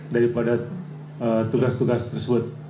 daripada tugas tugas tersebut